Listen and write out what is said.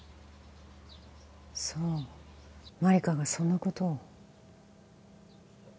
そう万理華がそんなことを